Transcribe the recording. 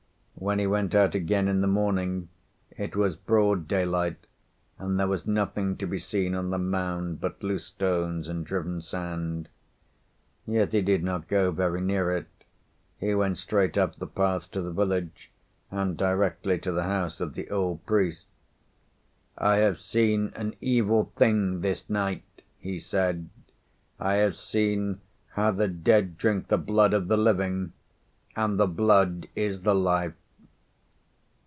When he went out again in the morning it was broad daylight, and there was nothing to be seen on the mound but loose stones and driven sand. Yet he did not go very near it; he went straight up the path to the village and directly to the house of the old priest. "I have seen an evil thing this night," he said; "I have seen how the dead drink the blood of the living. And the blood is the life."